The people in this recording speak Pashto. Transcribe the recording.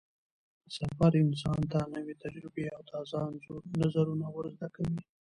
سفر انسان ته نوې تجربې او تازه نظرونه ور زده کوي